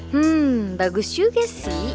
hmm bagus juga sih